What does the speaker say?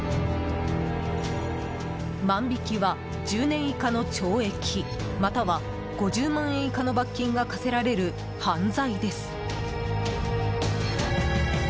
万引きは、１０年以下の懲役または５０万円以下の罰金が科せられる犯罪です。